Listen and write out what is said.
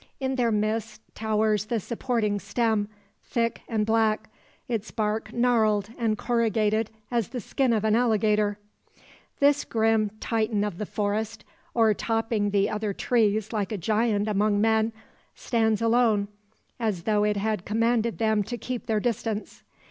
In their midst towers the supporting stem, thick and black, its bark gnarled and corrugated as the skin of an alligator. This grim Titan of the forest, o'ertopping the other trees like a giant among men, stands alone, as though it had commanded them to keep their distance.